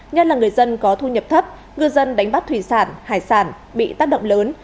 nhất là người dân có thu nhập thấp ngư dân đánh bắt thủy sản hải sản bị tác động lớn